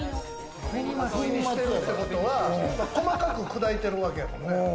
粉末ってことは細かく砕いてるわけやもんね。